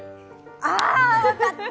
あー、分かった！